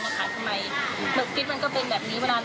ภายฟองแค่นี้ทำลงไปทำหมึกปลอมหรอ